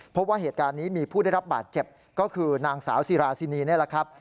พบว่าเหตุการณ์นี้มีผู้ได้รับบาดเจ็บก็คือนางสาวซีราซินีนี่แหละครับ